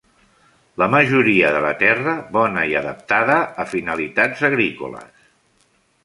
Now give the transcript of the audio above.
La majoria de la Terra bona i adaptada a finalitats agrícoles.